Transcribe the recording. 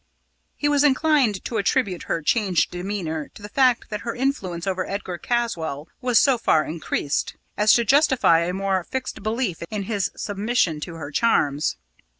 He was inclined to attribute her changed demeanour to the fact that her influence over Edgar Caswall was so far increased, as to justify a more fixed belief in his submission to her charms.